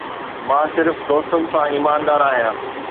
مان صرف دوستن سان ايماندار آهيان